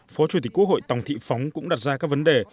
phó chủ tịch quốc hội tòng thị phóng cũng đặt ra các vấn đề